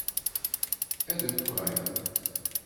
Adekkan.